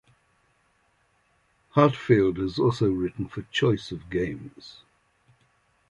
Heartfield has also written for Choice of Games.